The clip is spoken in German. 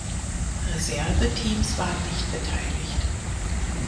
Reserveteams waren nicht beteiligt.